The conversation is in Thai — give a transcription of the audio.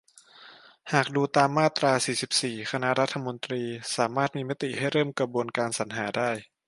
หากดูตามมาตรา สี่สิบสี่ คณะรัฐมนตรี สามารถมีมติให้เริ่มกระบวนการสรรหาได้